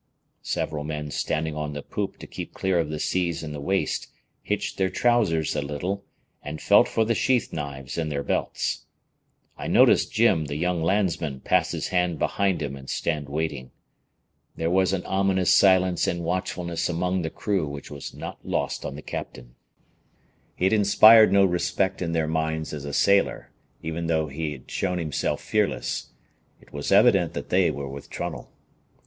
Several men standing on the poop to keep clear of the seas in the waist, hitched their trousers a little, and felt for the sheath knives in their belts. I noticed Jim, the young landsman, pass his hand behind him and stand waiting. There was an ominous silence and watchfulness among the crew which was not lost on the captain. He had inspired no respect in their minds as a sailor, even though he had shown himself fearless. It was evident that they were with Trunnell.